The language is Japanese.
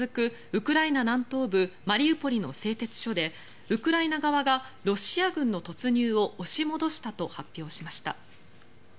ウクライナ南東部マリウポリの製鉄所でウクライナ側がロシア軍の突入を押し戻したと発表しました。